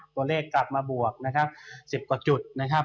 ตัวเลขกลับมาบวกนะครับ๑๐กว่าจุดนะครับ